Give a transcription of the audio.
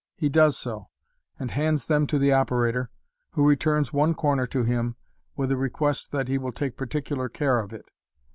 He does so, and hands them to the operator, who returns one corner to him, with a request that he will take particular care of it.